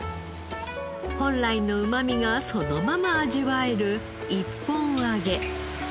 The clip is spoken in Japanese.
本来のうまみがそのまま味わえる一本揚げ。